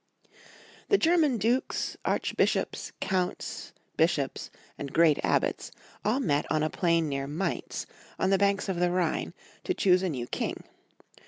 THE German dukes, archbishops, counts, bish ops, and great abbots all met on a plain near Mainz, on the banks of the Rhine, to choose a new king.